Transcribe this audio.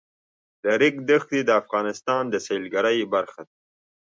د ریګ دښتې د افغانستان د سیلګرۍ برخه ده.